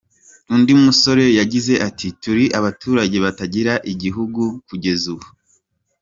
Undi musore yagize ati “Turi abaturage batagira igihugu kugeza ubu.